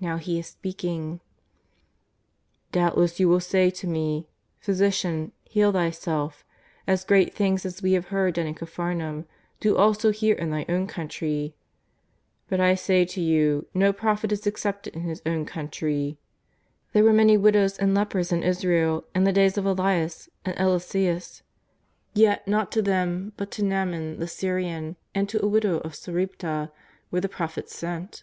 ]^ow He is speaking :" Doubtless you will say to Me : Physician, heal Thy self, as great things as we have heard done in Caphar naum, do also here in Thy own country. But I say to you no prophet is accepted in his owti country. There were many widows and lepers in Israel in the days of Elias and Eliseus, yet not to them but to Xaaman the Syrian and to a widow of Sarepta were the Prophets sent.''